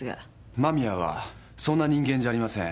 間宮はそんな人間じゃありません。